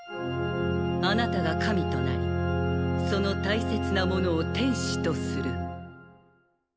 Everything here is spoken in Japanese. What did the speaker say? あなたが神となりその大切なものを天使とする